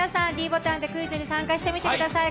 ｄボタンでクイズに参加してください。